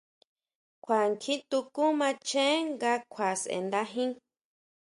Kjua kjí tukún macheén nga kjua sʼendajin.